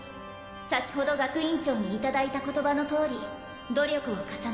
先ほど学院長にいただいた言葉のとおり努力を重ね